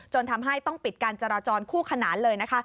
ทำให้ต้องปิดการจราจรคู่ขนานเลยนะคะ